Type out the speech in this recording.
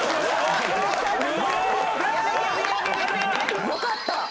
良かった！